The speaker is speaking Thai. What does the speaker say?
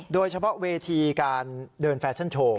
โดยเฉพาะเวทีการเดินแฟชั่นโชว์